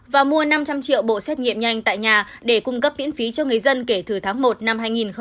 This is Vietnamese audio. và mua năm trăm linh triệu bộ xét nghiệm nhanh tại nhà để cung cấp miễn phí cho người dân kể từ tháng một năm hai nghìn hai mươi